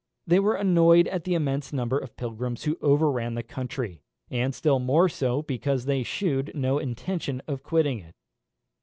They were annoyed at the immense number of pilgrims who overran the country, and still more so because they shewed no intention of quitting it.